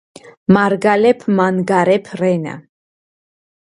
მარგალეფ მანგარეფ რენა